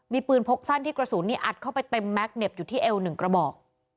มีปืนพกสั้นที่กระสุนนี่อัดเข้าไปเต็มแม็กซเหน็บอยู่ที่เอว๑กระบอก